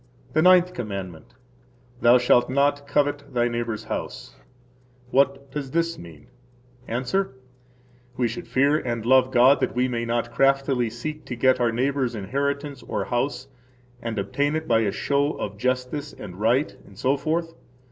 The Ninth Commandment. Thou shalt not covet thy neighbor's house. What does this mean? –Answer: We should fear and love God that we may not craftily seek to get our neighbor's inheritance or house, and obtain it by a show of [justice and] right, etc.